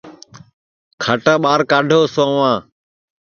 کھٹاں ٻار کھڈھ سؤاں